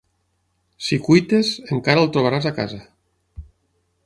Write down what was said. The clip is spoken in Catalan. Si cuites, encara el trobaràs a casa.